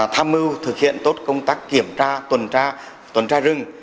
tham mưu thực hiện tốt công tác kiểm tra tuần tra rừng